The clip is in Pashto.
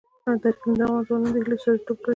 اقلیم د افغان ځوانانو د هیلو استازیتوب کوي.